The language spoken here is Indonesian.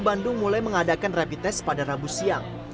bandung mulai mengadakan rapi tes pada rabu siang